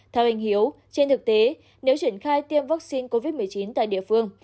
theo anh hiếu trên thực tế nếu triển khai tiêm vắc xin covid một mươi chín tại địa phương